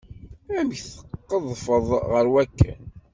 Amek tqedfeḍ ɣer wakken?